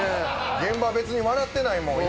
現場別に笑ってないもん。